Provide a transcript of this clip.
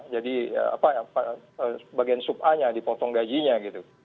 bagian sub a nya dipotong gajinya gitu